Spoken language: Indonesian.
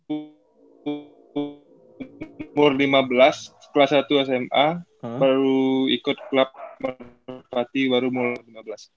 umur lima belas kelas satu sma baru ikut klub merpati baru mulai lima belas